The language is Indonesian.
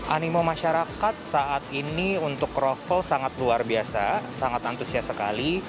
animo masyarakat saat ini untuk kroffel sangat luar biasa sangat antusias sekali